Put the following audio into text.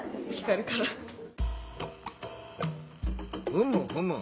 ふむふむ。